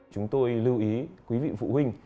chúng tôi lưu ý quý vị phụ huynh